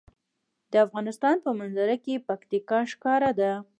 د افغانستان په منظره کې پکتیکا ښکاره ده.